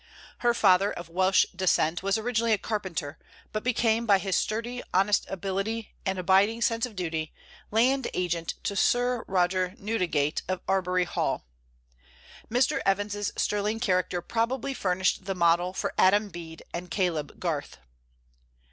Her father, of Welsh descent, was originally a carpenter, but became, by his sturdy honesty, ability, and abiding sense of duty, land agent to Sir Roger Newdigate of Arbury Hall. Mr. Evans's sterling character probably furnished the model for Adam Bede and Caleb Garth.